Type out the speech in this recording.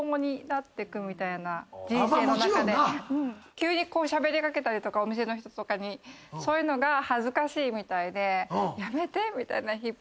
急にしゃべりかけたりとかお店の人とかに。そういうのが恥ずかしいみたいで「やめて」みたいに引っ張られたりとか。